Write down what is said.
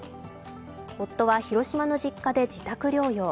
夫は広島の実家で自宅療養。